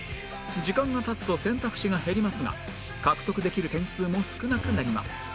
時間が経つと選択肢が減りますが獲得できる点数も少なくなります